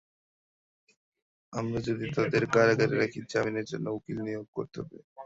আমরা যদি তাদের কারাগারে রাখি, জামিনের জন্য উকিল নিয়োগ করতে হবে।